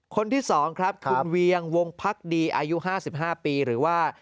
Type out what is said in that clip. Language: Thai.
คนที่๒ครับคุณเวียงวงพักดีอายุ๕๕ปีหรือว่า